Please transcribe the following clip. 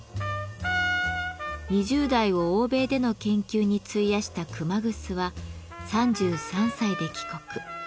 ２０代を欧米での研究に費やした熊楠は３３歳で帰国。